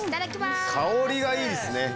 香りがいいですね！